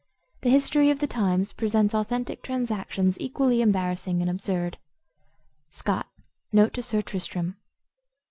The history of the times presents authentic transactions equally embarrassing and absurd" SCOTT, note to Sir Tristram.